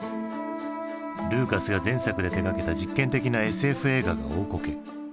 ルーカスが前作で手がけた実験的なＳＦ映画が大こけ。